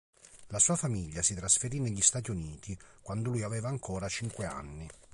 La sua famiglia si trasferì negli Stati Uniti quando lui aveva ancora cinque anni.